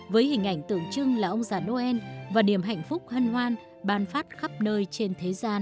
với hình ảnh tượng trưng là ông già noel và niềm hạnh phúc hân hoan ban phát khắp nơi trên thế gian